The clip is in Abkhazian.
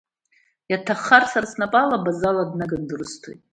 Иаҭаххар сара снапала Базала днаганы дрысҭоит…